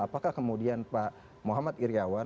apakah kemudian pak muhammad wirawan bisa diselesaikan